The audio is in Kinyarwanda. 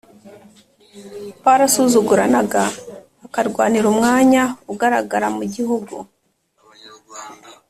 Barasuzuguranaga, bakarwanira umwanya ugaragara mu gihugu